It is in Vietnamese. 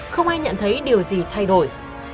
không ai nhận thấy điều gì thay đổi